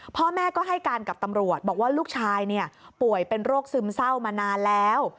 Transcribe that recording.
พ่อแม่ก็ให้การกับตำรวจบอกว่าลูกชายป่วยเป็นโรคซึมเศร้ามานานแล้ว